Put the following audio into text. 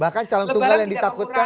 bahkan calon tunggal yang ditakutkan